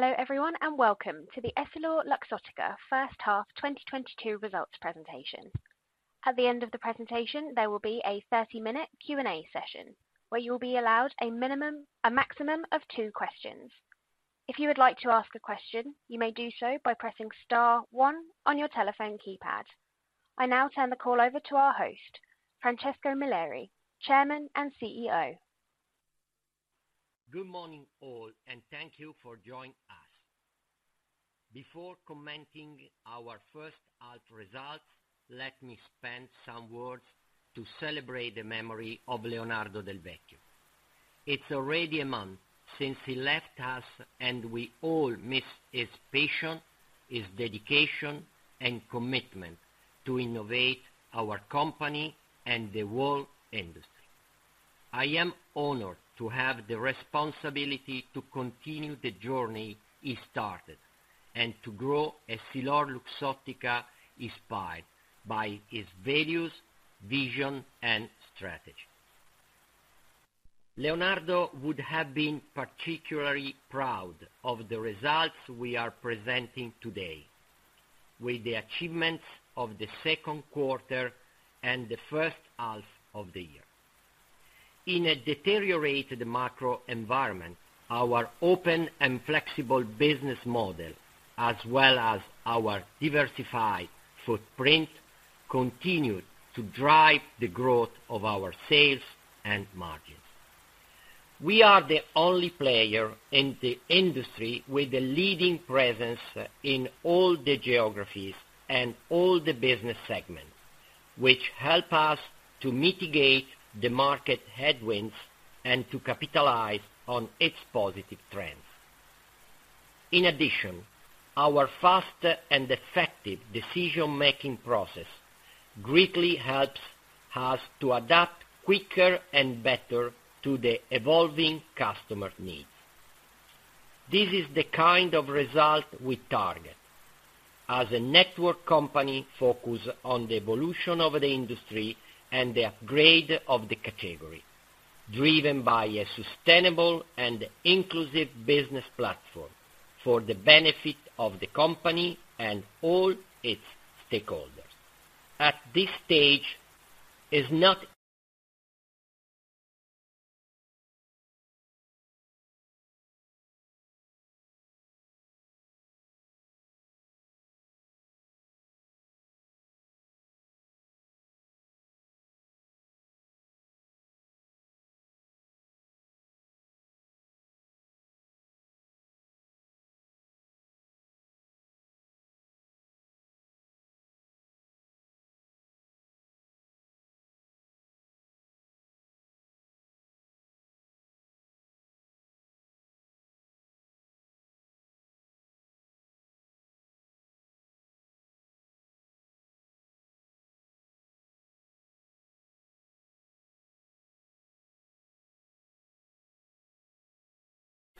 Hello everyone and welcome to the EssilorLuxottica H1 2022 results presentation. At the end of the presentation, there will be a 30 minute Q&A session where you'll be allowed a maximum of two questions. If you would like to ask a question, you may do so by pressing star one on your telephone keypad. I now turn the call over to our host, Francesco Milleri, Chairman and CEO. Good morning all, and thank you for joining us. Before commenting our H1 results, let me spend some words to celebrate the memory of Leonardo Del Vecchio. It's already a month since he left us, and we all miss his passion, his dedication, and commitment to innovate our company and the whole industry. I am honored to have the responsibility to continue the journey he started and to grow EssilorLuxottica inspired by his values, vision, and strategy. Leonardo would have been particularly proud of the results we are presenting today with the achievements of the Q2 and the H1 of the year. In a deteriorated macro environment, our open and flexible business model, as well as our diversified footprint, continued to drive the growth of our sales and margins. We are the only player in the industry with a leading presence in all the geographies and all the business segments, which help us to mitigate the market headwinds and to capitalize on its positive trends. In addition, our fast and effective decision-making process greatly helps us to adapt quicker and better to the evolving customer needs. This is the kind of result we target as a network company focused on the evolution of the industry and the upgrade of the category, driven by a sustainable and inclusive business platform for the benefit of the company and all its stakeholders. At this stage, our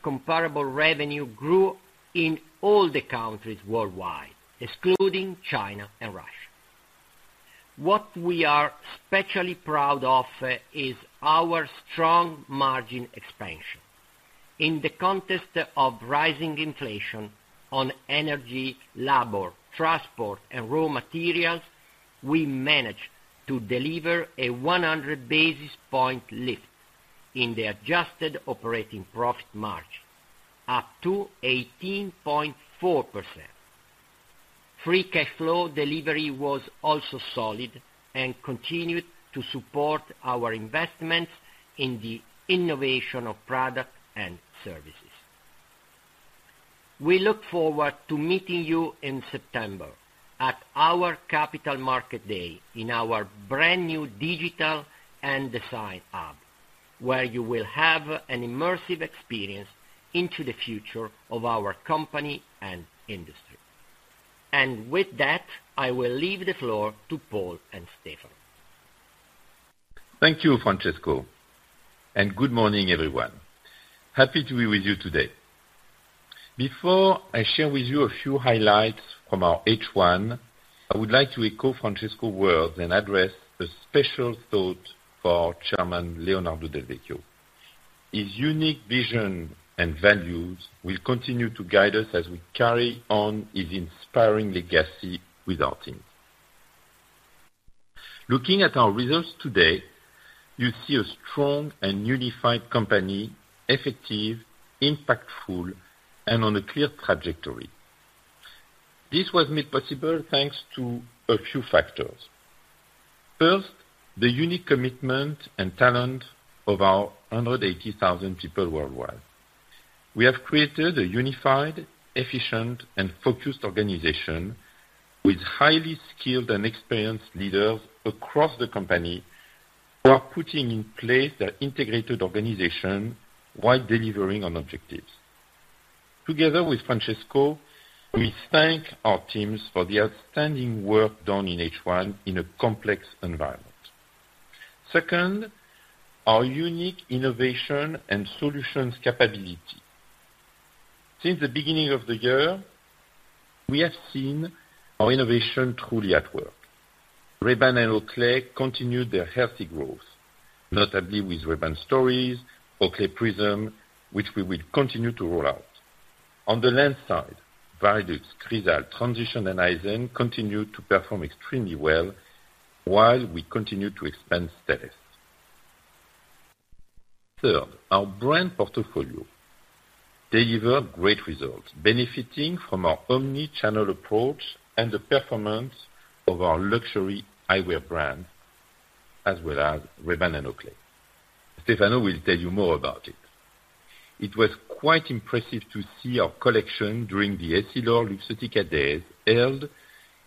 comparable revenue grew in all the countries worldwide, excluding China and Russia. What we are especially proud of is our strong margin expansion. In the context of rising inflation on energy, labor, transport, and raw materials, we managed to deliver a 100 basis point lift in the adjusted operating profit margin, up to 18.4%. Free cash flow delivery was also solid and continued to support our investments in the innovation of product and services. We look forward to meeting you in September at our Capital Markets Day in our brand new digital and design hub, where you will have an immersive experience into the future of our company and industry. With that, I will leave the floor to Paul du Saillant. Thank you, Francesco, and good morning, everyone. Happy to be with you today. Before I share with you a few highlights from our H1, I would like to echo Francesco's words and address a special thought for our Chairman, Leonardo Del Vecchio. His unique vision and values will continue to guide us as we carry on his inspiring legacy with our teams. Looking at our results today, you see a strong and unified company, effective, impactful, and on a clear trajectory. This was made possible thanks to a few factors. First, the unique commitment and talent of our 180,000 people worldwide. We have created a unified, efficient, and focused organization with highly skilled and experienced leaders across the company who are putting in place their integrated organization while delivering on objectives. Together with Francesco, we thank our teams for the outstanding work done in H1 in a complex environment. Second, our unique innovation and solutions capability. Since the beginning of the year. We have seen our innovation truly at work. Ray-Ban and Oakley continued their healthy growth, notably with Ray-Ban Stories, Oakley Prizm, which we will continue to roll out. On the lens side, Varilux, Crizal, Transitions, and Eyezen continue to perform extremely well while we continue to expand steadily. Third, our brand portfolio deliver great results, benefiting from our omni-channel approach and the performance of our luxury eyewear brand, as well as Ray-Ban and Oakley. Stefano will tell you more about it. It was quite impressive to see our collection during the EssilorLuxottica days held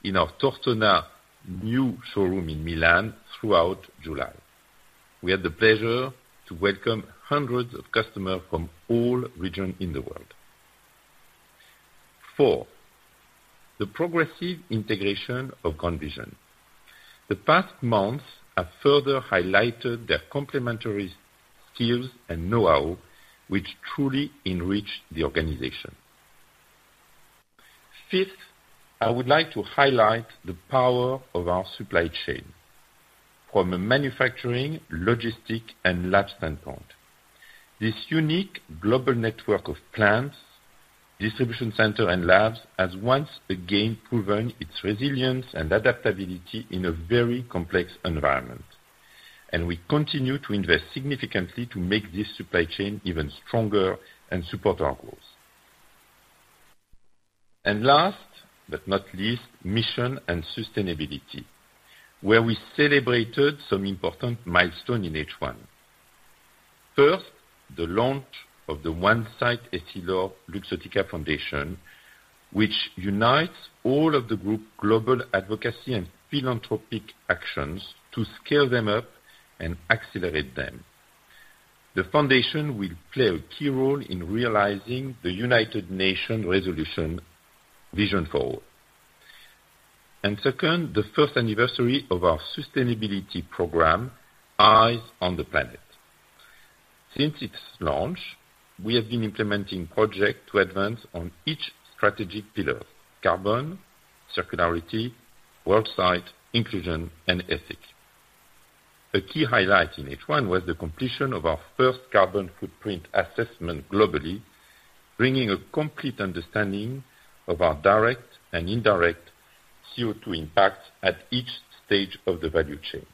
in our Tortona new showroom in Milan throughout July. We had the pleasure to welcome hundreds of customers from all regions in the world. Four, the progressive integration of GrandVision. The past months have further highlighted their complementary skills and know-how which truly enrich the organization. Fifth, I would like to highlight the power of our supply chain from a manufacturing, logistics, and lab standpoint. This unique global network of plants, distribution center, and labs has once again proven its resilience and adaptability in a very complex environment. We continue to invest significantly to make this supply chain even stronger and support our growth. Last but not least, mission and sustainability, where we celebrated some important milestone in H1. First, the launch of the OneSight EssilorLuxottica Foundation, which unites all of the group global advocacy and philanthropic actions to scale them up and accelerate them. The foundation will play a key role in realizing the United Nations resolution vision goal. Second, the first anniversary of our sustainability program, Eyes on the Planet. Since its launch, we have been implementing projects to advance on each strategic pillar, carbon, circularity, work site, inclusion, and ethics. A key highlight in H1 was the completion of our first carbon footprint assessment globally, bringing a complete understanding of our direct and indirect CO₂ impact at each stage of the value chain.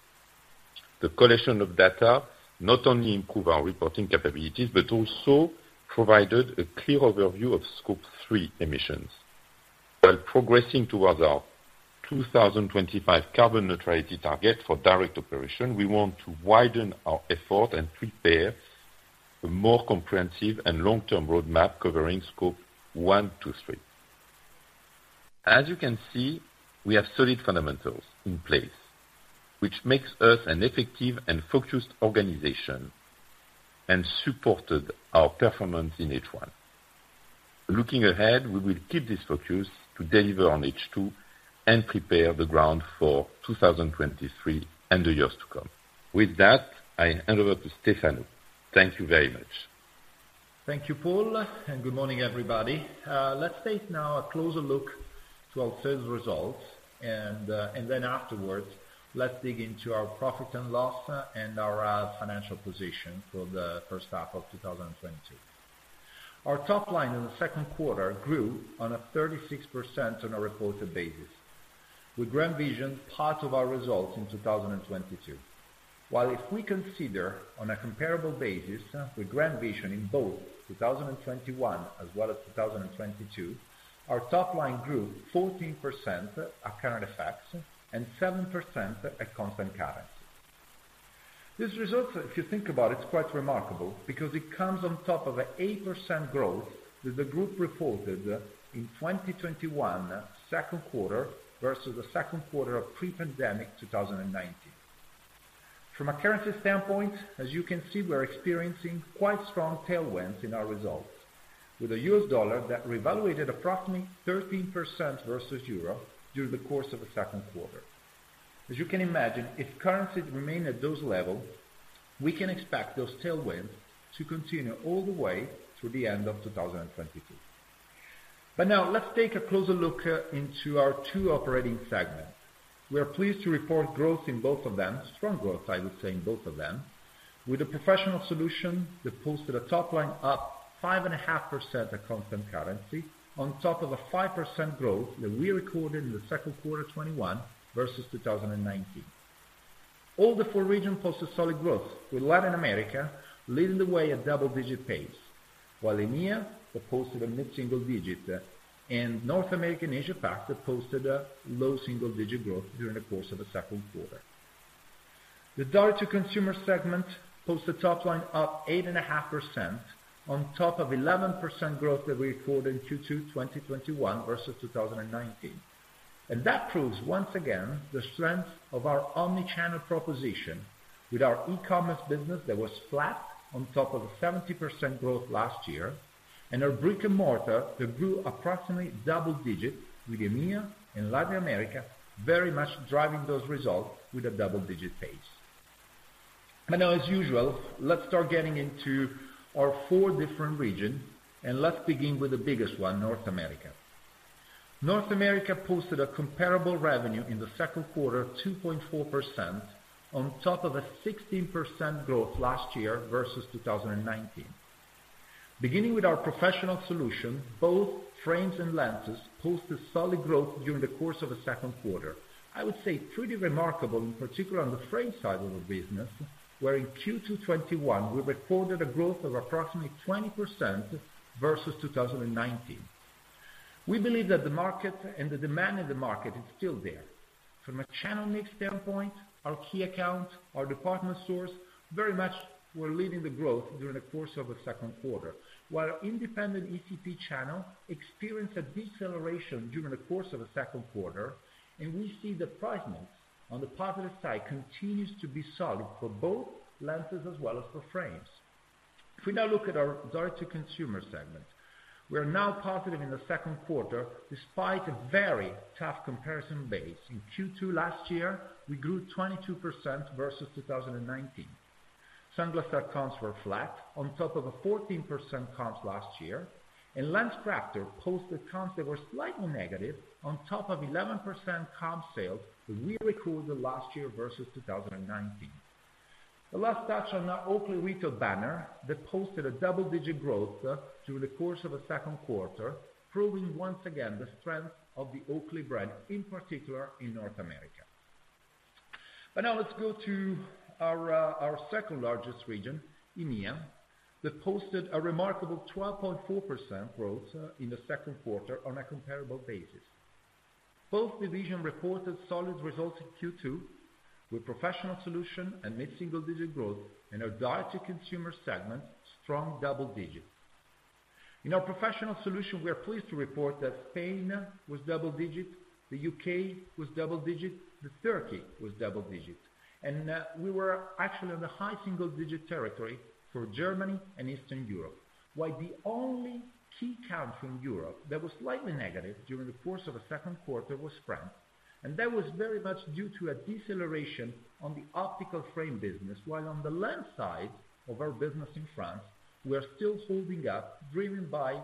The collection of data not only improve our reporting capabilities, but also provided a clear overview of Scope 3 emissions. While progressing towards our 2025 carbon neutrality target for direct operation, we want to widen our effort and prepare a more comprehensive and long-term roadmap covering Scope 1-3. As you can see, we have solid fundamentals in place, which makes us an effective and focused organization and supported our performance in H1. Looking ahead, we will keep this focus to deliver on H2 and prepare the ground for 2023 and the years to come. With that, I hand over to Stefano. Thank you very much. Thank you, Paul, and good morning, everybody. Let's now take a closer look at our sales results and then afterwards, let's dig into our profit and loss and our financial position for the H1 of 2022. Our top line in the Q2 grew 36% on a reported basis, with GrandVision part of our results in 2022. Well, if we consider on a comparable basis with GrandVision in both 2021 as well as 2022, our top line grew 14% at current exchange rates and 7% at constant currency. This result, if you think about it's quite remarkable because it comes on top of an 8% growth that the group reported in 2021 Q2 versus the Q2 of pre-pandemic 2019. From a currency standpoint, as you can see, we're experiencing quite strong tailwinds in our results with the U.S. dollar that revaluated approximately 13% versus euro during the course of the Q2. As you can imagine, if currencies remain at those levels, we can expect those tailwinds to continue all the way through the end of 2022. Now let's take a closer look into our two operating segments. We are pleased to report growth in both of them, strong growth, I would say, in both of them. With the professional solution, we posted a top line up 5.5% at constant currency on top of a 5% growth that we recorded in the Q2 2021 versus 2019. All four regions posted solid growth, with Latin America leading the way at double-digit pace, while EMEA that posted a mid-single-digit, and North America and Asia Pac that posted a low single-digit growth during the course of the Q2. The direct-to-consumer segment posted top line up 8.5% on top of 11% growth that we recorded in Q2 2021 versus 2019. That proves once again the strength of our omni-channel proposition with our e-commerce business that was flat on top of the 70% growth last year, and our brick-and-mortar that grew approximately double digits with EMEA and Latin America very much driving those results with a double-digit pace. Now, as usual, let's start getting into our four different regions, and let's begin with the biggest one, North America. North America posted a comparable revenue in the Q2 of 2.4% on top of a 16% growth last year versus 2019. Beginning with our professional solution, both frames and lenses posted solid growth during the course of the Q2. I would say pretty remarkable, in particular on the frame side of the business, where in Q2 2021 we recorded a growth of approximately 20% versus 2019. We believe that the market and the demand in the market is still there. From a channel mix standpoint, our key account, our department stores, very much were leading the growth during the course of the Q2, while independent ECP channel experienced a deceleration during the course of the Q2, and we see the price mix on the positive side continues to be solid for both lenses as well as for frames. If we now look at our direct to consumer segment, we are now positive in the Q2 despite a very tough comparison base. In Q2 last year, we grew 22% versus 2019. Sunglass Hut was flat on top of a 14% comps last year, and LensCrafters posted comps that were slightly negative on top of 11% comp sales we recorded last year versus 2019. The last touch on our Oakley retail banner that posted a double-digit growth through the course of the Q2, proving once again the strength of the Oakley brand, in particular in North America. Now let's go to our second-largest region, EMEA, that posted a remarkable 12.4% growth in the Q2 on a comparable basis. Both divisions reported solid results in Q2 with professional solution and mid-single-digit growth in our direct-to-consumer segment, strong double digits. In our professional solution, we are pleased to report that Spain was double-digit, the U.K. was double-digit, Turkey was double-digit, and we were actually in the high single-digit territory for Germany and Eastern Europe. While the only key count from Europe that was slightly negative during the course of the Q2 was France, and that was very much due to a deceleration on the optical frame business. While on the lens side of our business in France, we are still holding up, driven by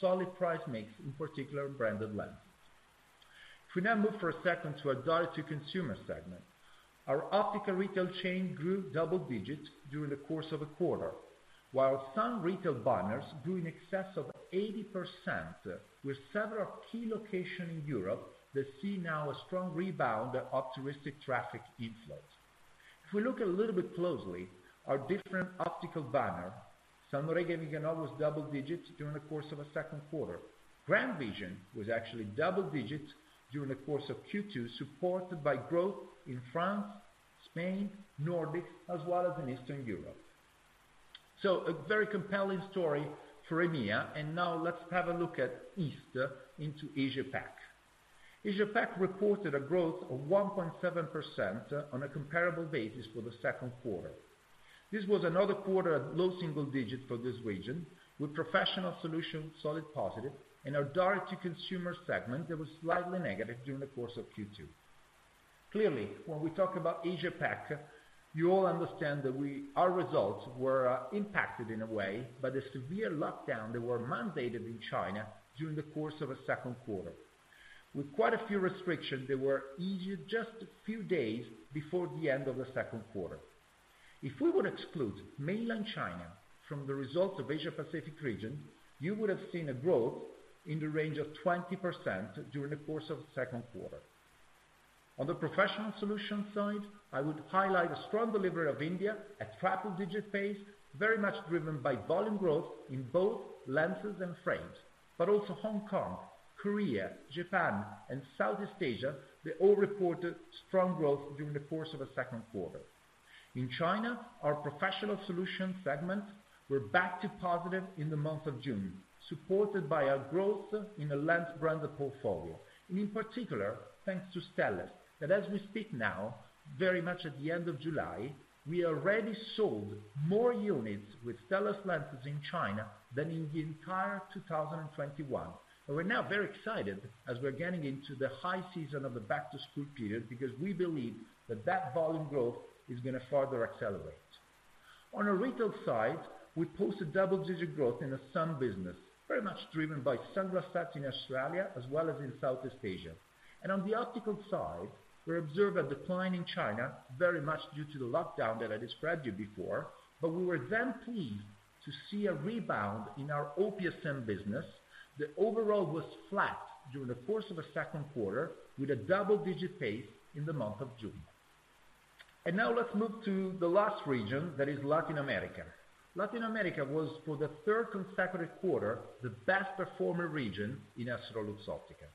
solid price mix, in particular branded lenses. If we now move for a second to our direct to consumer segment, our optical retail chain grew double digits during the course of the quarter, while some retail banners grew in excess of 80% with several key locations in Europe that see now a strong rebound of touristic traffic inflows. If we look a little bit closely, our different optical banner, Salmoiraghi & Viganò was double digits during the course of the Q2. GrandVision was actually double digits during the course of Q2, supported by growth in France, Spain, Nordics as well as in Eastern Europe. A very compelling story for EMEA. Now let's have a look at Asia Pac. Asia Pac reported a growth of 1.7% on a comparable basis for the Q2. This was another quarter of low single digits for this region, with professional solutions solid positive and our direct to consumer segment that was slightly negative during the course of Q2. Clearly, when we talk about AsiaPac, you all understand that our results were impacted in a way by the severe lockdowns that were mandated in China during the course of the Q2, with quite a few restrictions that were eased just a few days before the end of the Q2. If we would exclude mainland China from the results of Asia Pacific region, you would have seen a growth in the range of 20% during the course of the Q2. On the professional solutions side, I would highlight a strong delivery of India at triple-digit pace, very much driven by volume growth in both lenses and frames, but also Hong Kong, Korea, Japan and Southeast Asia, they all reported strong growth during the course of the Q2. In China, our professional solutions segment were back to positive in the month of June, supported by our growth in the lens brand portfolio, and in particular thanks to Stellest. That as we speak now, very much at the end of July, we already sold more units with Stellest lenses in China than in the entire 2021. We're now very excited as we're getting into the high season of the back to school period because we believe that volume growth is gonna further accelerate. On a retail side, we posted double-digit growth in the sun business, very much driven by Sunglass Hut in Australia as well as in Southeast Asia. On the optical side, we observe a decline in China very much due to the lockdown that I described to you before. We were then pleased to see a rebound in our OPSM business that overall was flat during the course of the Q2 with a double-digit pace in the month of June. Now let's move to the last region, that is Latin America. Latin America was, for the third consecutive quarter, the best performing region in EssilorLuxottica.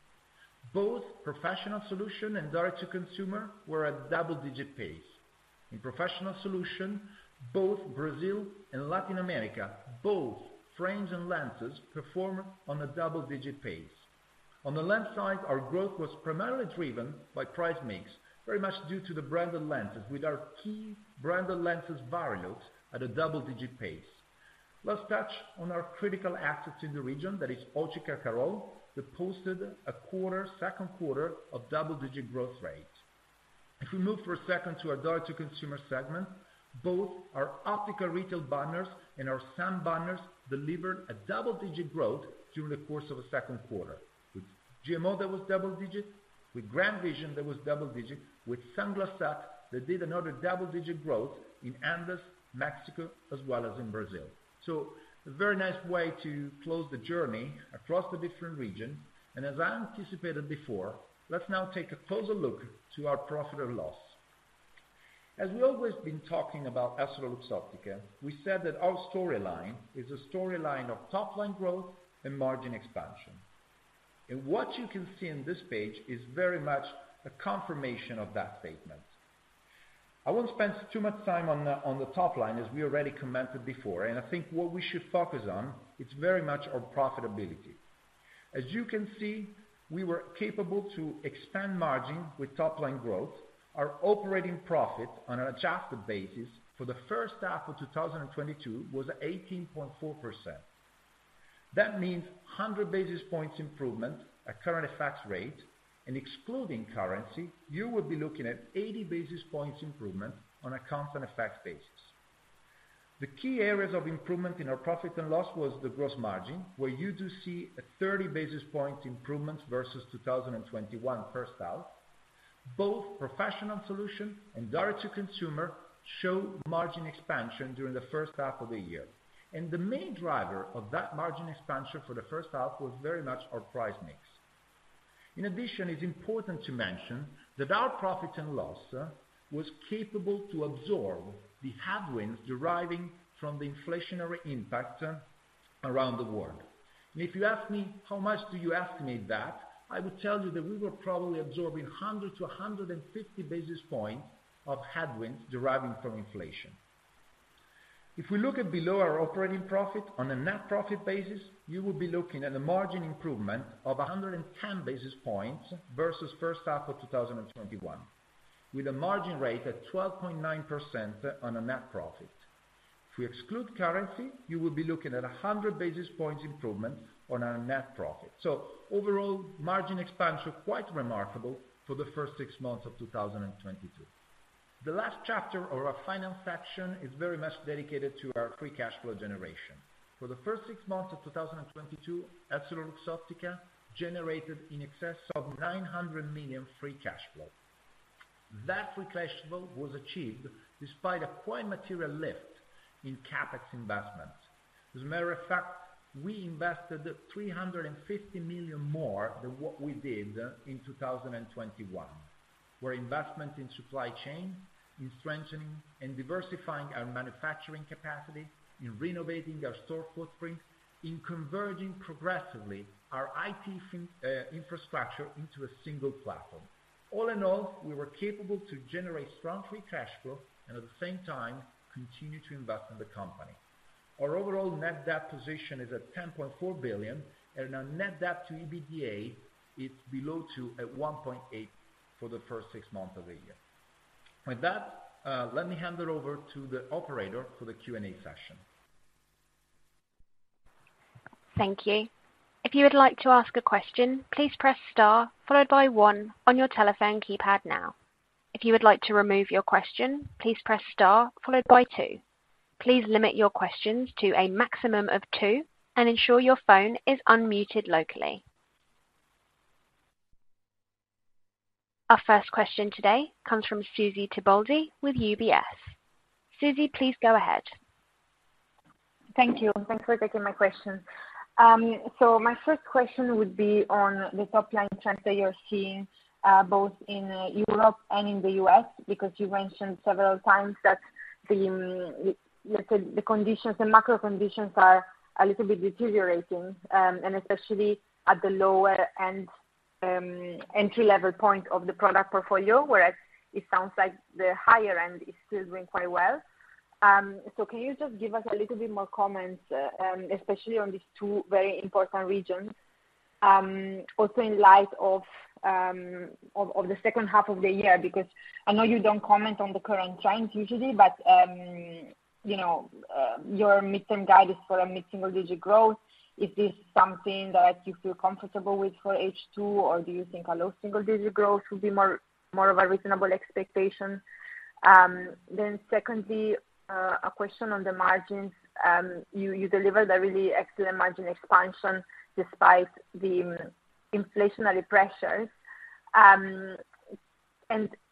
Both professional solution and direct to consumer were at double-digit pace. In professional solutions, both Brazil and Latin America, both frames and lenses performed on a double-digit pace. On the lens side, our growth was primarily driven by price mix, very much due to the branded lenses with our key branded lenses Varilux at a double-digit pace. Let's touch on our critical assets in the region, that is, Óticas Carol, posted, in the Q2, a double-digit growth rate. If we move, for a second, to our direct-to-consumer segment, both our optical retail banners and our sun banners delivered a double-digit growth during the course of the Q2. With GMO, that was double digits. With GrandVision, that was double digits. With Sunglass Hut, that did another double-digit growth in Andes, Mexico, as well as in Brazil. A very nice way to close the journey across the different regions. As I anticipated before, let's now take a closer look to our profit and loss. As we always been talking about EssilorLuxottica, we said that our storyline is a storyline of top line growth and margin expansion. What you can see in this page is very much a confirmation of that statement. I won't spend too much time on the top line, as we already commented before, and I think what we should focus on, it's very much our profitability. As you can see, we were capable to expand margin with top line growth. Our operating profit on an adjusted basis for the H1 of 2022 was 18.4%. That means 100 basis points improvement at current FX rate and excluding currency, you would be looking at 80 basis points improvement on a constant FX basis. The key areas of improvement in our profit and loss was the gross margin, where you do see a 30 basis point improvement versus 2021 H1. Both professional solution and direct-to-consumer show margin expansion during the H1 of the year. The main driver of that margin expansion for the H1 was very much our price mix. In addition, it's important to mention that our profit and loss was capable to absorb the headwinds deriving from the inflationary impact around the world. If you ask me, how much do you estimate that? I would tell you that we were probably absorbing 100 basis points-150 basis points of headwinds deriving from inflation. If we look at below our operating profit on a net profit basis, you will be looking at a margin improvement of 110 basis points versus H1 of 2021, with a margin rate at 12.9% on a net profit. If we exclude currency, you will be looking at 100 basis points improvement on our net profit. Overall margin expansion quite remarkable for the first six months of 2022. The last chapter of our finance section is very much dedicated to our free cash flow generation. For the first six months of 2022, EssilorLuxottica generated in excess of 900 million free cash flow. That free cash flow was achieved despite a quite material lift in CapEx investments. As a matter of fact, we invested 350 million more than what we did in 2021, with investment in supply chain, in strengthening and diversifying our manufacturing capacity, in renovating our store footprint, in converging progressively our IT infrastructure into a single platform. All in all, we were capable to generate strong free cash flow and at the same time continue to invest in the company. Our overall net debt position is at 10.4 billion and our net debt to EBITDA is below 2 at 1.8 for the first six months of the year. With that, let me hand it over to the operator for the Q&A session. Thank you. If you would like to ask a question, please press star followed by one on your telephone keypad now. If you would like to remove your question, please press Star followed by two. Please limit your questions to a maximum of two and ensure your phone is unmuted locally. Our first question today comes from Susy Tibaldi with UBS. Susy, please go ahead. Thank you. Thanks for taking my question. My first question would be on the top line trends that you're seeing, both in Europe and in the U.S. Because you mentioned several times that the, like the conditions, the macro conditions are a little bit deteriorating, and especially at the lower end, entry-level point of the product portfolio, whereas it sounds like the higher end is still doing quite well. Can you just give us a little bit more comments, especially on these two very important regions, also in light of the H2 of the year, because I know you don't comment on the current trends usually, but, you know, your mid-term guidance for a mid-single digit growth, is this something that you feel comfortable with for H2, or do you think a low single digit growth would be more of a reasonable expectation? Secondly, a question on the margins. You delivered a really excellent margin expansion despite the inflationary pressures. I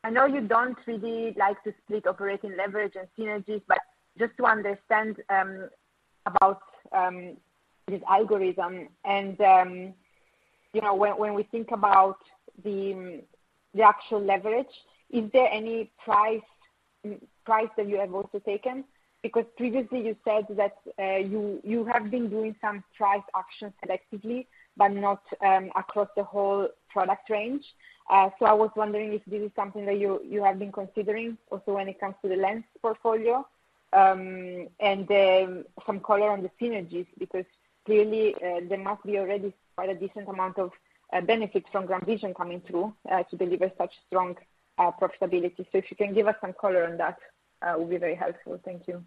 know you don't really like to split operating leverage and synergies, but just to understand about this algorithm and you know when we think about the actual leverage, is there any price that you have also taken? Because previously you said that you have been doing some price action selectively, but not across the whole product range. So I was wondering if this is something that you have been considering also when it comes to the lens portfolio. Then some color on the synergies, because clearly there must be already quite a decent amount of benefits from GrandVision coming through to deliver such strong profitability. If you can give us some color on that would be very helpful. Thank you.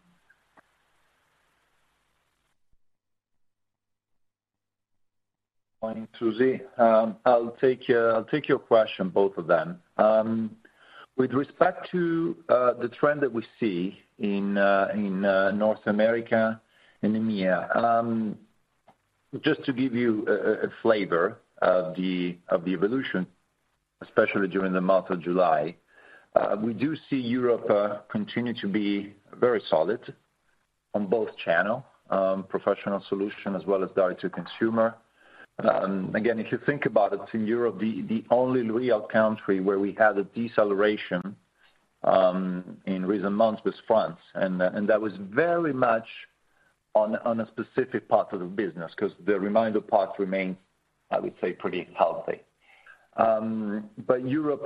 Morning, Susy. I'll take your question, both of them. With respect to the trend that we see in North America and EMEA, just to give you a flavor of the evolution, especially during the month of July, we do see Europe continue to be very solid on both channel professional solution as well as direct to consumer. Again, if you think about it, in Europe, the only real country where we had a deceleration in recent months was France, and that was very much on a specific part of the business 'cause the remainder part remains, I would say, pretty healthy. Europe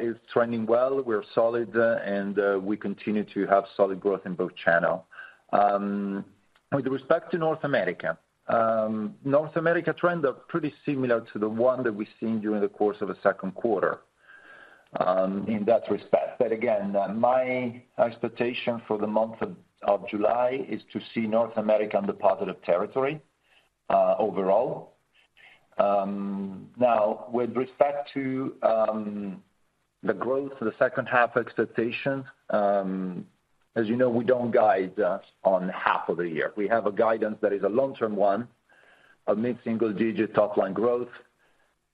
is trending well. We're solid, and we continue to have solid growth in both channel. With respect to North America, North America trend are pretty similar to the one that we've seen during the course of the Q2, in that respect. Again, my expectation for the month of July is to see North America on the positive territory, overall. Now with respect to the growth for the H2 expectation, as you know, we don't guide us on half of the year. We have a guidance that is a long-term one, a mid-single digit top line growth.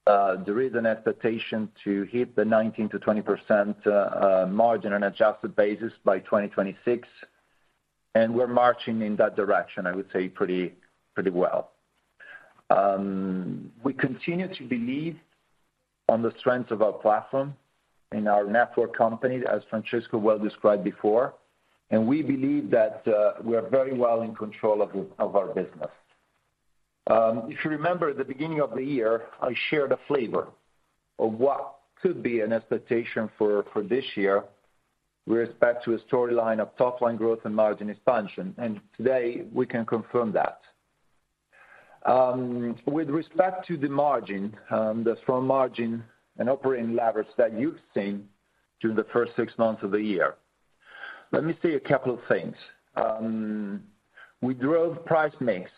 There is an expectation to hit the 19%-20% margin on adjusted basis by 2026, and we're marching in that direction, I would say pretty well. We continue to believe on the strength of our platform in our network company, as Francesco well-described before. We believe that we are very well in control of our business. If you remember at the beginning of the year, I shared a flavor of what could be an expectation for this year with respect to a storyline of top line growth and margin expansion, and today we can confirm that. With respect to the margin, the strong margin and operating leverage that you've seen during the first six months of the year, let me say a couple of things. We drove price mix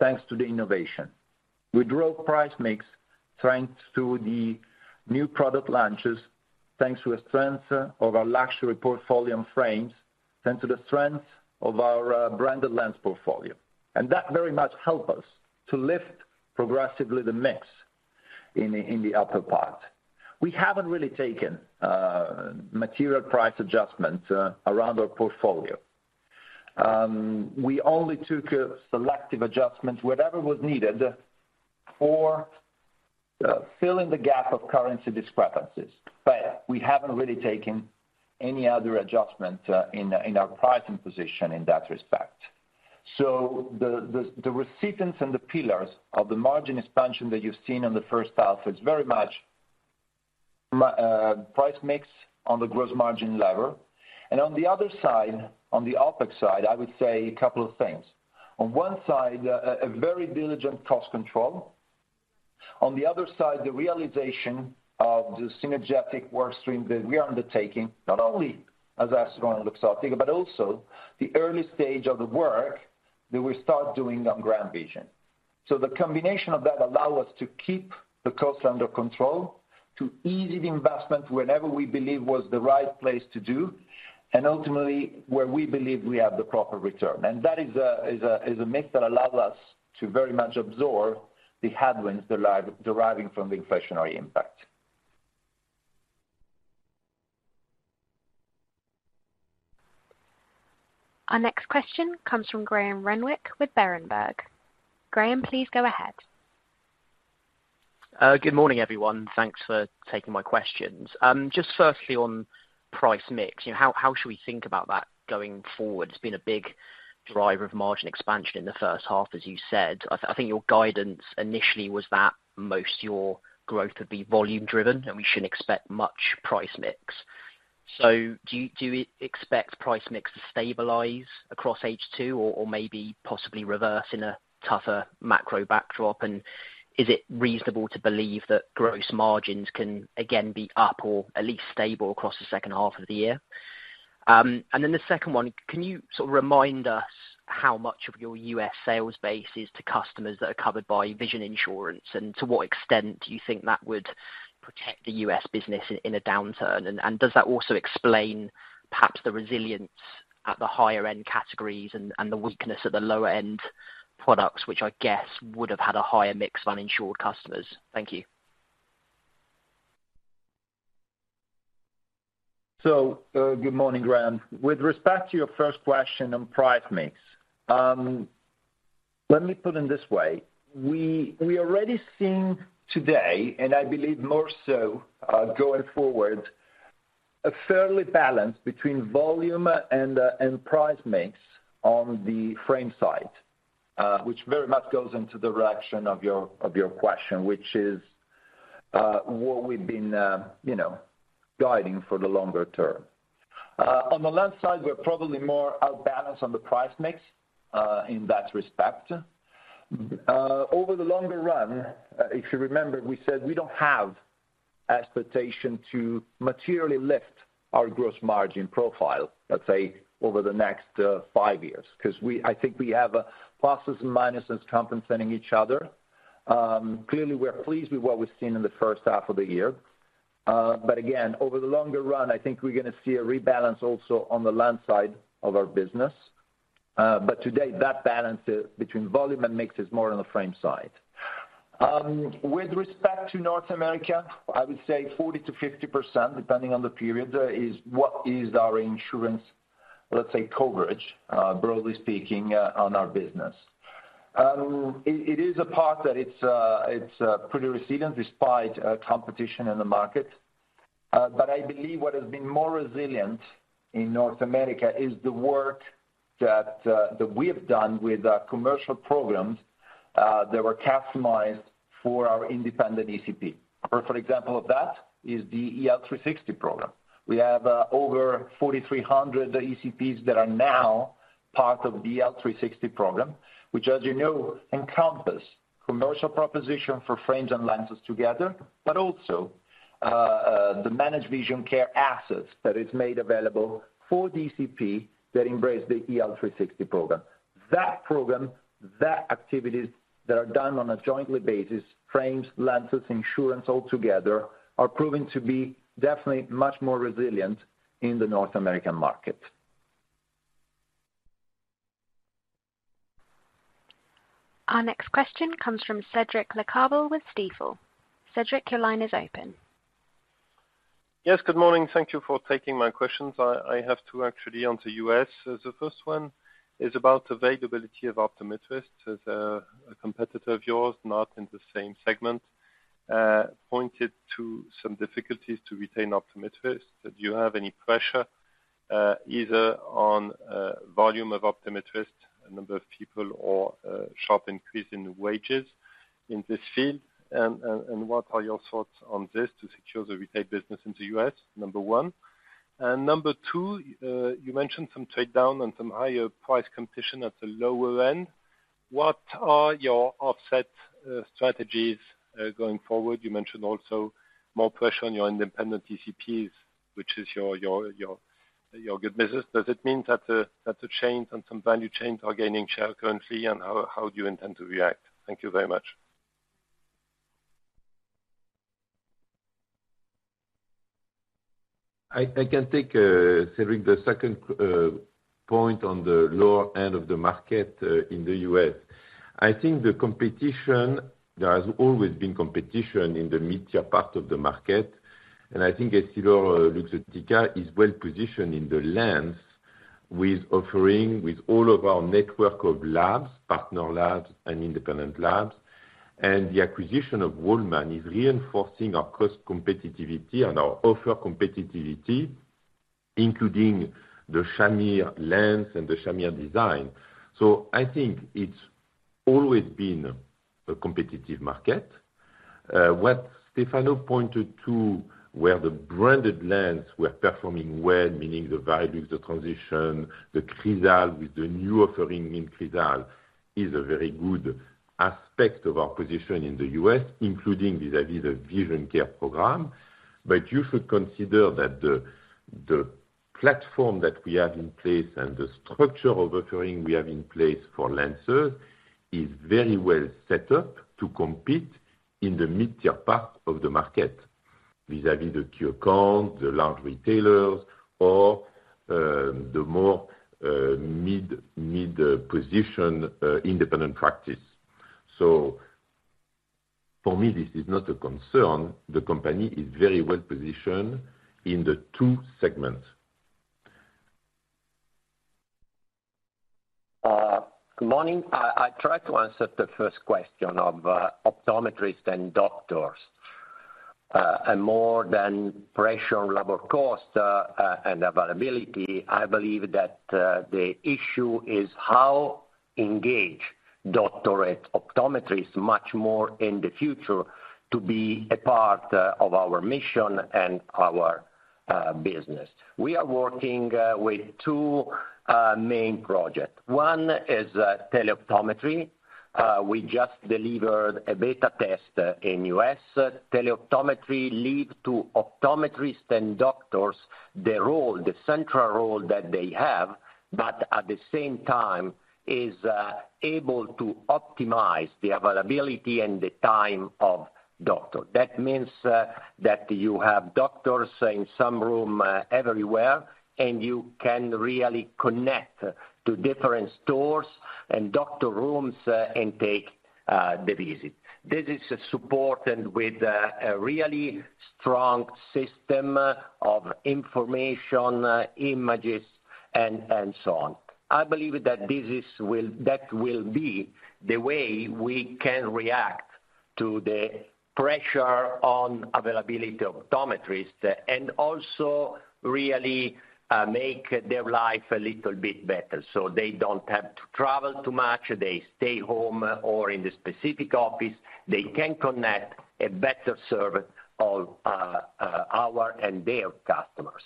thanks to the innovation. We drove price mix thanks to the new product launches, thanks to a strength of our luxury portfolio in frames, thanks to the strength of our branded lens portfolio. That very much help us to lift progressively the mix in the upper part. We haven't really taken material price adjustments around our portfolio. We only took a selective adjustment, whatever was needed for filling the gap of currency discrepancies. We haven't really taken any other adjustment in our pricing position in that respect. The recipes and the pillars of the margin expansion that you've seen in the H1 is very much price mix on the gross margin lever. On the other side, on the OpEx side, I would say a couple of things. On one side, a very diligent cost control. On the other side, the realization of the synergistic work stream that we are undertaking, not only as EssilorLuxottica, but also the early stage of the work that we start doing on GrandVision. The combination of that allow us to keep the costs under control, to ease the investment wherever we believe was the right place to do, and ultimately, where we believe we have the proper return. That is a mix that allows us to very much absorb the headwinds deriving from the inflationary impact. Our next question comes from Graham Renwick with Berenberg. Graham, please go ahead. Good morning, everyone. Thanks for taking my questions. Just firstly on price mix, you know, how should we think about that going forward? It's been a big driver of margin expansion in the H1, as you said. I think your guidance initially was that most of your growth would be volume driven, and we shouldn't expect much price mix. Do you expect price mix to stabilize across H2 or maybe possibly reverse in a tougher macro backdrop? And is it reasonable to believe that gross margins can again be up or at least stable across the H2 of the year? And then the second one, can you sort of remind us how much of your U.S. sales base is to customers that are covered by vision insurance? To what extent do you think that would protect the U.S. business in a downturn? Does that also explain perhaps the resilience at the higher end categories and the weakness at the lower end products, which I guess would have had a higher mix of uninsured customers? Thank you. Good morning, Graham. With respect to your first question on price mix, let me put it this way. We already seen today, and I believe more so going forward, a fairly balanced between volume and price mix on the frame side, which very much goes into the direction of your question, which is what we've been you know guiding for the longer term. On the lens side, we're probably more out of balance on the price mix in that respect. Over the longer run, if you remember, we said we don't have expectation to materially lift our gross margin profile, let's say, over the next 5 years, because I think we have pluses and minuses compensating each other. Clearly, we're pleased with what we've seen in the H1 of the year. Again, over the longer run, I think we're gonna see a rebalance also on the lens side of our business. Today, that balance between volume and mix is more on the frame side. With respect to North America, I would say 40%-50%, depending on the period, is what is our insurance, let's say, coverage, broadly speaking, on our business. It is a part that it's pretty resilient despite competition in the market. I believe what has been more resilient in North America is the work that we have done with our commercial programs that were customized for our independent ECP. Perfect example of that is the EssilorLuxottica 360 program. We have over 4,300 ECPs that are now part of the EssilorLuxottica 360 program, which as you know encompasses commercial proposition for frames and lenses together, but also the managed vision care assets that are made available for ECPs that embrace the EssilorLuxottica 360 program. That program, those activities that are done on a joint basis, frames, lenses, insurance altogether, are proving to be definitely much more resilient in the North American market. Our next question comes from Cédric Lecasble with Stifel. Cédric, your line is open. Yes, good morning. Thank you for taking my questions. I have two actually on the U.S. The first one is about availability of optometrists as a competitor of yours, not in the same segment, pointed to some difficulties to retain optometrists. Do you have any pressure, either on volume of optometrists, number of people or sharp increase in wages in this field? And what are your thoughts on this to secure the retail business in the U.S.? Number one. Number two, you mentioned some trade down and some higher price competition at the lower end. What are your offset strategies going forward? You mentioned also more pressure on your independent ECPs, which is your good business. Does it mean that the chains and some value chains are gaining share currently? How do you intend to react? Thank you very much. I can take, Cédric, the second point on the lower end of the market in the US. I think the competition there has always been competition in the mid-tier part of the market, and I think EssilorLuxottica is well positioned in the lens offering with all of our network of labs, partner labs and independent labs. The acquisition of Walman is reinforcing our cost competitiveness and our offer competitiveness, including the Shamir lens and the Shamir design. I think it's always been a competitive market. What Stefano pointed to, where the branded lenses were performing well, meaning the Varilux, the Transitions, the Crizal with the new offering in Crizal, is a very good aspect of our position in the U.S., including vis-à-vis the vision care program. You should consider that the platform that we have in place and the structure of offering we have in place for lenses is very well set up to compete in the mid-tier part of the market vis-à-vis the Costco, the large retailers or the more mid position independent practice. For me, this is not a concern. The company is very well positioned in the two segments. Good morning. I try to answer the first question of optometrists and doctors and more than pressure on labor cost and availability. I believe that the issue is how to engage doctors of optometry much more in the future to be a part of our mission and our business. We are working with two main projects. One is teleoptometry. We just delivered a beta test in the U.S.. Teleoptometry leads optometrists and doctors to the central role that they have, but at the same time is able to optimize the availability and the time of doctor. That means that you have doctors in one room everywhere, and you can really connect to different stores and doctor rooms and take the visit. This is supported with a really strong system of information, images, and so on. I believe that that will be the way we can react to the pressure on availability of optometrists and also really make their life a little bit better. They don't have to travel too much. They stay home or in the specific office. They can connect a better service of our and their customers.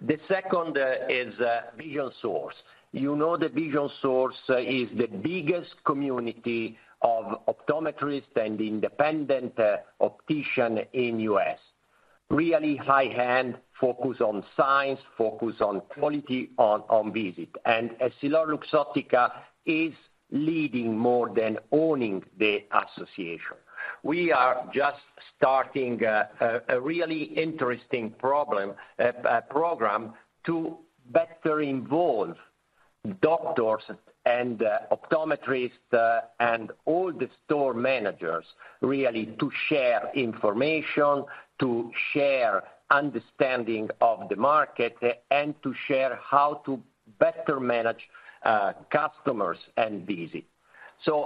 The second is Vision Source. You know that Vision Source is the biggest community of optometrists and independent optician in U.S. Really high-end, focused on science, focused on quality, on visit. EssilorLuxottica is leading more than owning the association. We are just starting a really interesting program to better involve doctors and optometrists, and all the store managers really to share information, to share understanding of the market, and to share how to better manage customers and visit.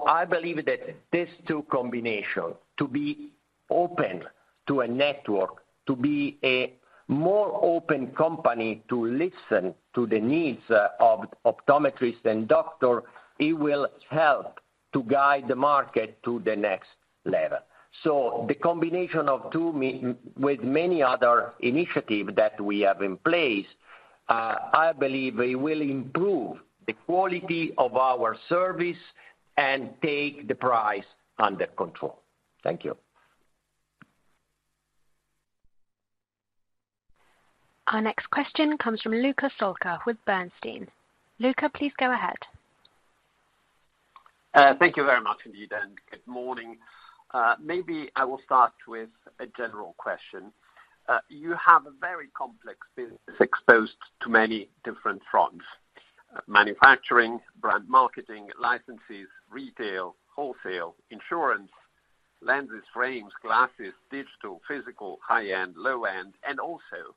I believe that these two combination, to be open to a network, to be a more open company, to listen to the needs of optometrists and doctor, it will help to guide the market to the next level. The combination of two with many other initiative that we have in place, I believe it will improve the quality of our service and take the price under control. Thank you. Our next question comes from Luca Solca with Bernstein. Luca, please go ahead. Thank you very much indeed, and good morning. Maybe I will start with a general question. You have a very complex business exposed to many different fronts, manufacturing, brand marketing, licenses, retail, wholesale, insurance, lenses, frames, glasses, digital, physical, high-end, low-end, and also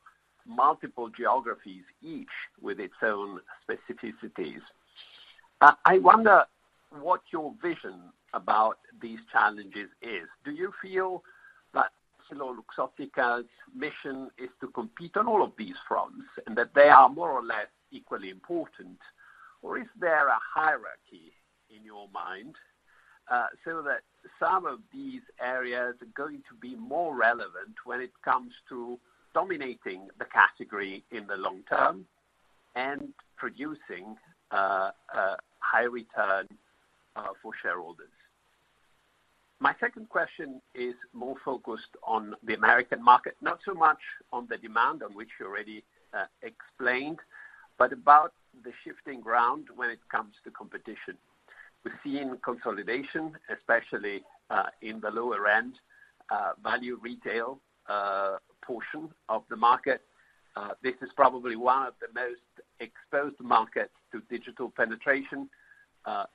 multiple geographies, each with its own specificities. I wonder what your vision about these challenges is. Do you feel that EssilorLuxottica's mission is to compete on all of these fronts, and that they are more or less equally important, or is there a hierarchy in your mind, so that some of these areas are going to be more relevant when it comes to dominating the category in the long term and producing high return for shareholders? My second question is more focused on the American market, not so much on the demand, on which you already explained, but about the shifting ground when it comes to competition. We're seeing consolidation, especially in the lower end value retail portion of the market. This is probably one of the most exposed markets to digital penetration.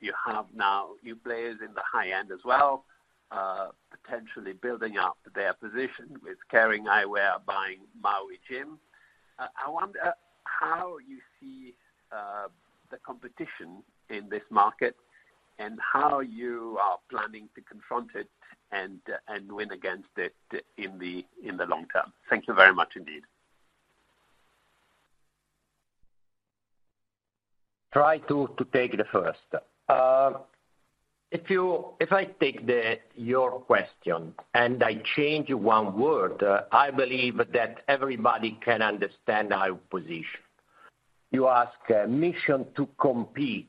You have now new players in the high end as well, potentially building up their position with Kering Eyewear buying Maui Jim. I wonder how you see the competition in this market, and how you are planning to confront it and win against it in the long term. Thank you very much indeed. Try to take the first. If I take your question and I change one word, I believe that everybody can understand our position. You ask a mission to compete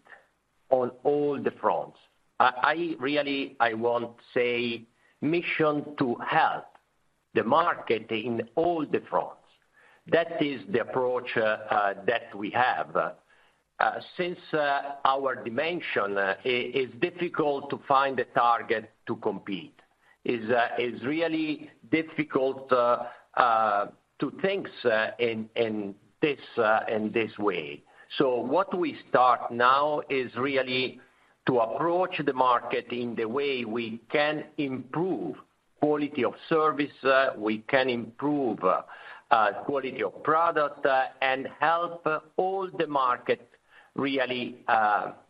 on all the fronts. I really want say mission to help the market in all the fronts. That is the approach that we have. Since our dimension is difficult to find a target to compete, really difficult to think in this way. What we start now is really to approach the market in the way we can improve quality of service, we can improve quality of product, and help all the markets really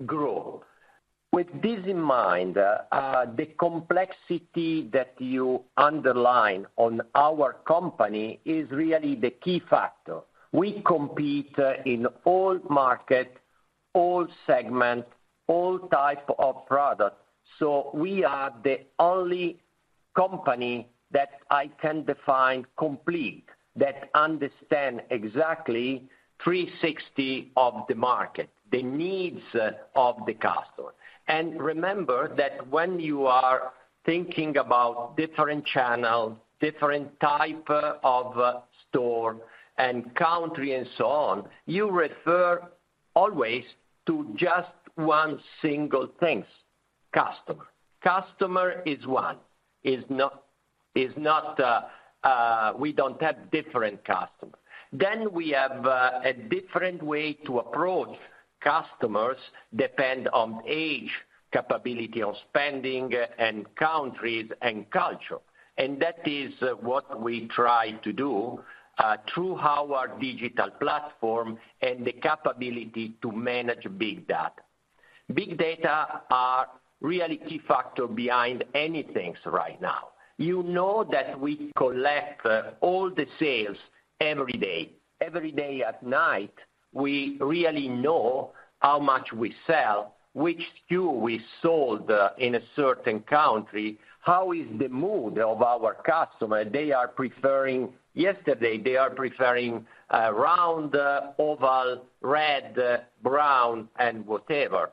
grow. With this in mind, the complexity that you underline on our company is really the key factor. We compete in all market, all segment, all type of product. We are the only company that I can define complete, that understand exactly 360 of the market, the needs of the customer. Remember that when you are thinking about different channel, different type of store and country and so on, you refer always to just one single things, customer. Customer is one, is not, we don't have different customer. We have a different way to approach customers depend on age, capability of spending, and countries, and culture. That is what we try to do through our digital platform and the capability to manage big data. Big data are really key factor behind any things right now. You know that we collect all the sales every day. Every day at night, we really know how much we sell, which SKU we sold in a certain country, how is the mood of our customer. They are preferring yesterday round, oval, red, brown, and whatever.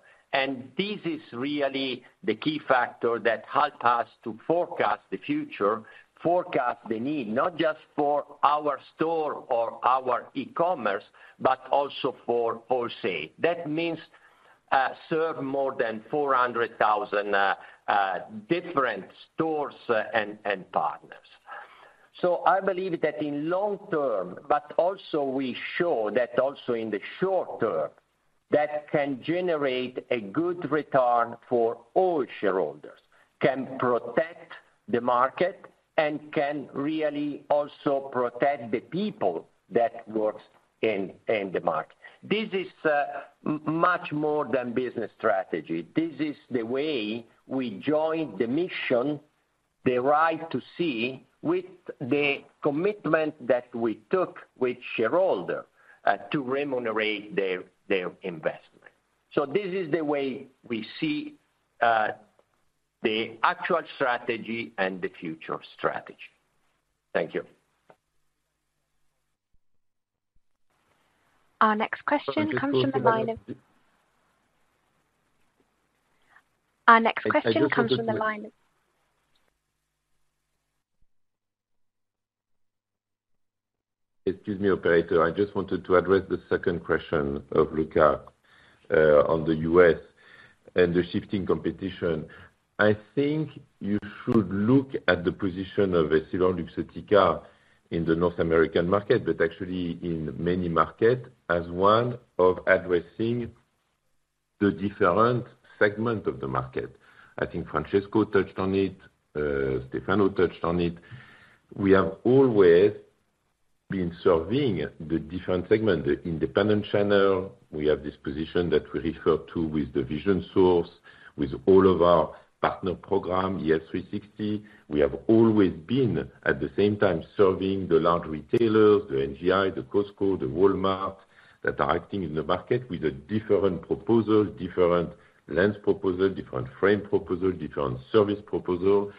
This is really the key factor that help us to forecast the future, forecast the need, not just for our store or our e-commerce, but also for wholesale. That means serve more than 400,000 different stores and partners. I believe that in long term, but also we show that also in the short term, that can generate a good return for all shareholders, can protect the market, and can really also protect the people that works in the market. This is much more than business strategy. This is the way we join the mission, the right to see with the commitment that we took with shareholder to remunerate their investment. This is the way we see the actual strategy and the future strategy. Thank you. Our next question comes from the line of- Excuse me, operator. I just wanted to address the second question of Luca on the U.S. And the shifting competition. I think you should look at the position of EssilorLuxottica in the North American market, but actually in many markets, as one addressing the different segments of the market. I think Francesco touched on it. Stefano touched on it. We have always been serving the different segments, the independent channel. We have this position that we refer to with the Vision Source, with all of our partner program, ES 360. We have always been, at the same time, serving the large retailers, the NVI, the Costco, the Walmart, that are acting in the market with a different proposal, different lens proposal, different frame proposal, different service proposal.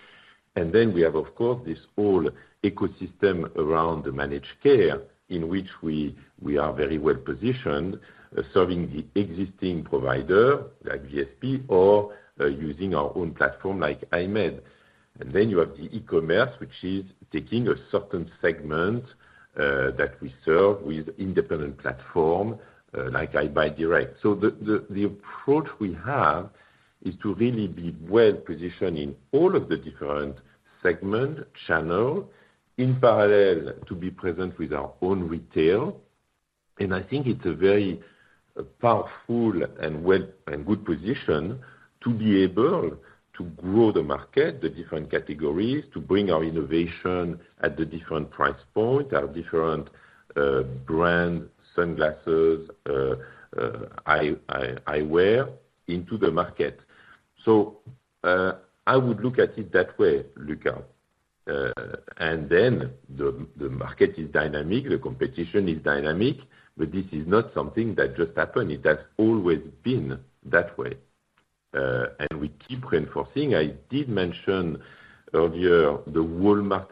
We have, of course, this whole ecosystem around the managed care in which we are very well positioned, serving the existing provider, like VSP or using our own platform like EyeMed. You have the e-commerce, which is taking a certain segment that we serve with independent platform like EyeBuyDirect. The approach we have is to really be well positioned in all of the different segment, channel, in parallel to be present with our own retail. I think it's a very powerful and well and good position to be able to grow the market, the different categories, to bring our innovation at the different price point, our different brand sunglasses, eye eyewear into the market. I would look at it that way, Luca. The market is dynamic, the competition is dynamic, but this is not something that just happened. It has always been that way. We keep reinforcing. I did mention earlier the Walman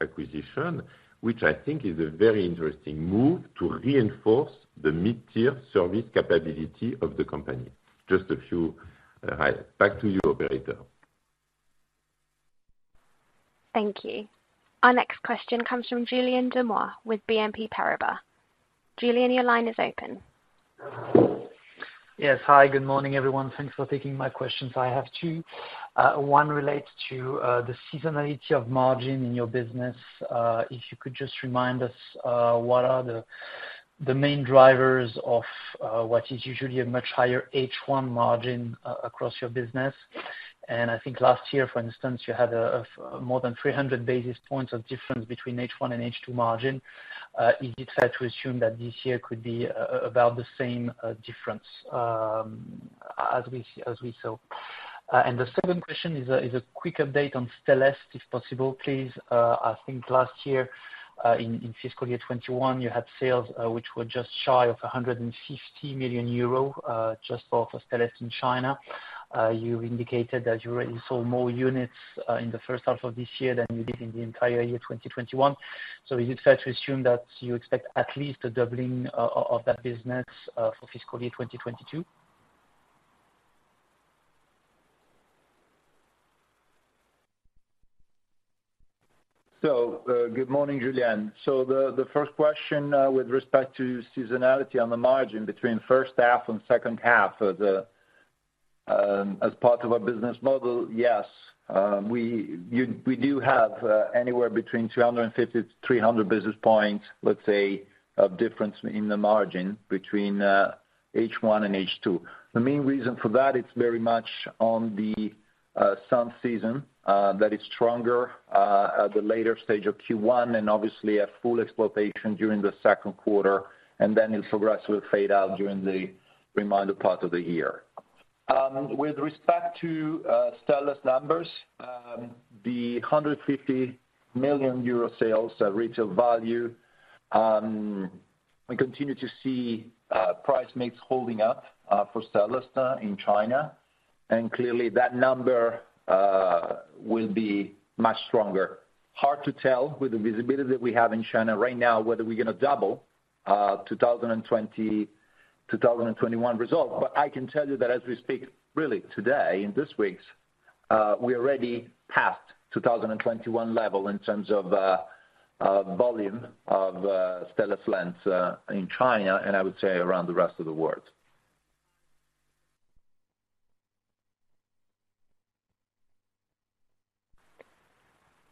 acquisition, which I think is a very interesting move to reinforce the mid-tier service capability of the company. Just a few highlights. Back to you, operator. Thank you. Our next question comes from Julien Dormois with BNP Paribas. Julien, your line is open. Yes. Hi, good morning, everyone. Thanks for taking my questions. I have two. One relates to the seasonality of margin in your business. If you could just remind us, what are the main drivers of what is usually a much higher H1 margin across your business. I think last year, for instance, you had a more than 300 basis points of difference between H1 and H2 margin. Is it fair to assume that this year could be about the same difference as we saw? The second question is a quick update on Stellest, if possible, please. I think last year, in fiscal year 2021, you had sales which were just shy of 150 million euro just for Stellest in China. You indicated that you already sold more units in the H1 of this year than you did in the entire year 2021. Is it fair to assume that you expect at least a doubling of that business for fiscal year 2022? Good morning, Julien. The first question with respect to seasonality on the margin between H1 and H2 of the as part of our business model, yes, we do have anywhere between 350 basis points-300 basis points, let's say, of difference in the margin between H1 and H2. The main reason for that, it's very much on the sunglass season that is stronger at the later stage of Q1 and obviously a full exploitation during the Q2, and then it'll progressively fade out during the remainder part of the year. With respect to Stellest's numbers, the 150 million euro sales at retail value, we continue to see price mix holding up for Stellest in China. Clearly that number will be much stronger. Hard to tell with the visibility that we have in China right now, whether we're gonna double 2020, 2021 results. I can tell you that as we speak, really today, in this week, we already passed 2021 level in terms of volume of Stellest's lens in China, and I would say around the rest of the world.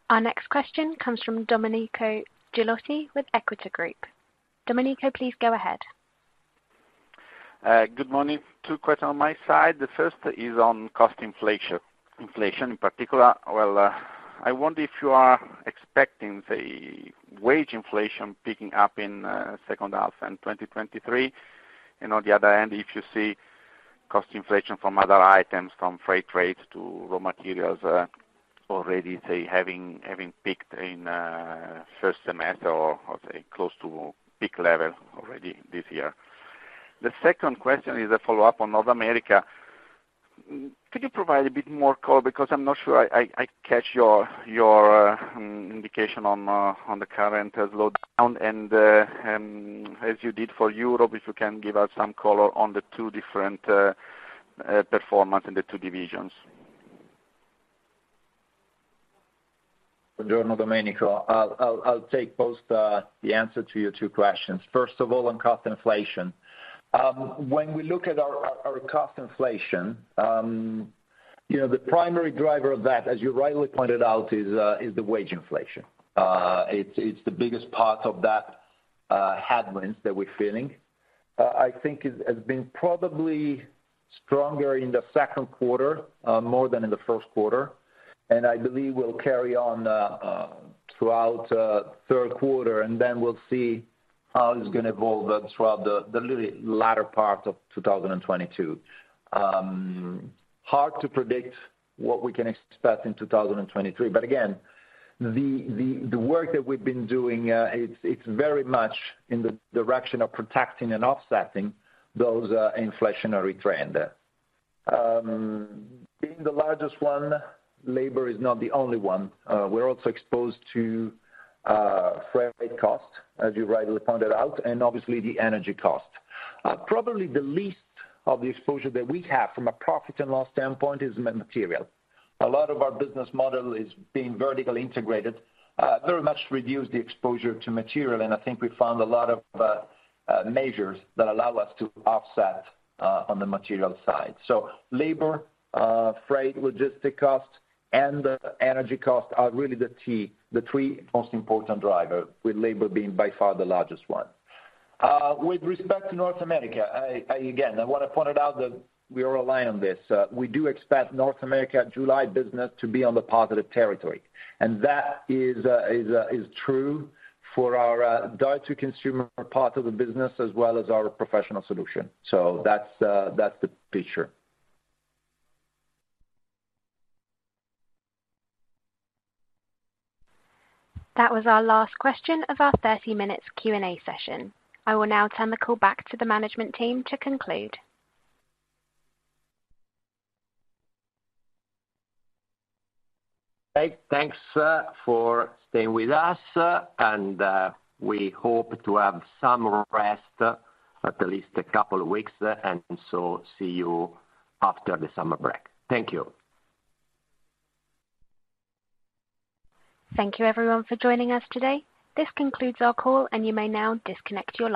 Our next question comes from Domenico Ghilotti with Equita Group. Domenico, please go ahead. Good morning. Two questions on my side. The first is on cost inflation in particular. Well, I wonder if you are expecting, say, wage inflation picking up in H2 in 2023. On the other hand, if you see cost inflation from other items, from freight rates to raw materials, already say, having peaked in first semester or, say, close to peak level already this year. The second question is a follow-up on North America. Could you provide a bit more color? Because I'm not sure I caught your indication on the current slowdown and, as you did for Europe, if you can give us some color on the two different performance in the two divisions. Buongiorno, Domenico. I'll take both the answer to your two questions. First of all, on cost inflation. When we look at our cost inflation, you know, the primary driver of that, as you rightly pointed out, is the wage inflation. It's the biggest part of that headwinds that we're feeling. I think it has been probably stronger in the Q2, more than in the Q4, and I believe will carry on throughout Q3, and then we'll see how it's gonna evolve throughout the really latter part of 2022. Hard to predict what we can expect in 2023. Again, the work that we've been doing, it's very much in the direction of protecting and offsetting those inflationary trend. Being the largest one, labor is not the only one. We're also exposed to freight costs, as you rightly pointed out, and obviously the energy cost. Probably the least of the exposure that we have from a profit and loss standpoint is material. A lot of our business model is being vertically integrated, very much reduce the exposure to material, and I think we found a lot of measures that allow us to offset on the material side. Labor, freight, logistics cost, and energy costs are really the three most important driver, with labor being by far the largest one. With respect to North America, I again want to point it out that we rely on this. We do expect North American July business to be on the positive territory. That is true for our direct to consumer part of the business as well as our professional solution. That's the picture. That was our last question of our 30 minutes Q&A session. I will now turn the call back to the management team to conclude. Hey, thanks for staying with us, and we hope to have some rest at least a couple weeks, and so see you after the summer break. Thank you. Thank you everyone for joining us today. This concludes our call, and you may now disconnect your line.